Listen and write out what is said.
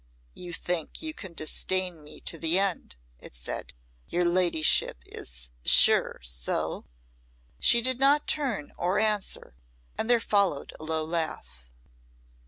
"You think you can disdain me to the end," it said. "Your ladyship is sure so?" She did not turn or answer, and there followed a low laugh.